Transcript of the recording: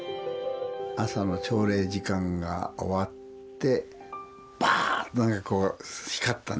朝の朝礼時間が終わってバーンとねこう光ったんですね。